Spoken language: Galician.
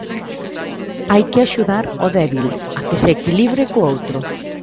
Hai que axudar o débil a que se equilibre co outro.